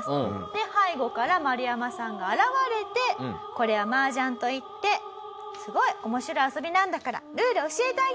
で背後からマルヤマさんが現れて「これは麻雀といってすごい面白い遊びなんだからルールを教えてあげる」。